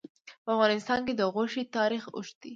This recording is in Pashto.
په افغانستان کې د غوښې تاریخ اوږد دی.